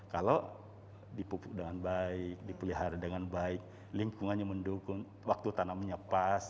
kalau dipupuk dengan baik dipelihara dengan baik lingkungannya mendukung waktu tanamnya pas